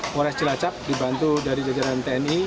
polres cilacap dibantu dari jajaran tni